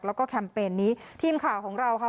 แล้วก็แคมเปญนี้ทีมข่าวของเราค่ะ